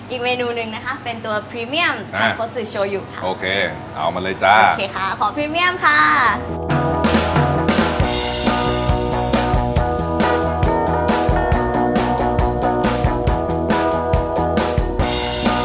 อีกเมนูหนึ่งนะคะเป็นตัวพรีเมียมของโค้สือโชยูค่ะโอเคเอามาเลยจ้าโอเคค่ะของพรีเมียมค่ะ